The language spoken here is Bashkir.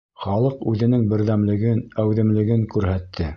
Халыҡ үҙенең берҙәмлеген, әүҙемлеген күрһәтте.